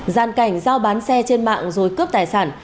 gian cảnh giao bán xe trên mạng rồi cướp tài sản